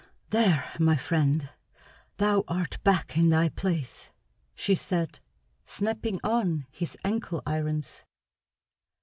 "There, my friend, thou art back in thy place!" she said, snapping on his ankle irons.